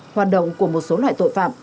hoạt động của một số loại tội phạm